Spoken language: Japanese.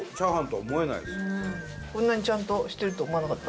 こんなにちゃんとしてるとは思わなかった。